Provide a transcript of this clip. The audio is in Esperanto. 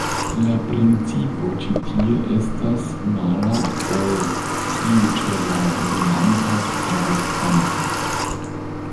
La principo ĉi tie estas mala ol tiu ĉe la lumanta tabakplanto.